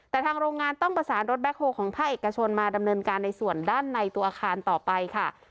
แต่ทางโรงงานต้องประสานรถแคคโฮลของภาคเอกชนมาดำเนินการในส่วนด้านในตัวอาคารต่อไปค่ะ